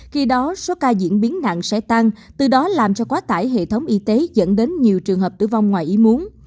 khi đó số ca diễn biến nặng sẽ tăng từ đó làm cho quá tải hệ thống y tế dẫn đến nhiều trường hợp tử vong ngoài ý muốn